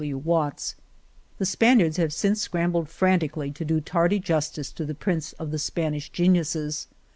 W. Watts). The Spaniards have since scrambled frantically to do tardy justice to the Prince of the Spanish Ge niuses."